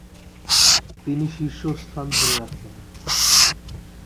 তিনি শীর্ষস্থান ধরে রাখেন।